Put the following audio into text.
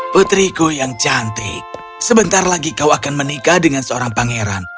putriku yang cantik sebentar lagi kau akan menikah dengan seorang pangeran